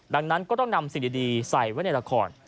ดังนั้นก็ต้องนำสิ่งดีใส่ไว้ในละคร